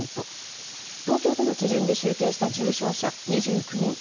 東京都の基準で集計した重症者は２９人。